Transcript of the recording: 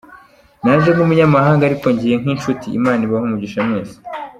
Naje nk’Umunyamahanga ariko ngiye nk’inshuti, Imana ibahe umugisha mwese.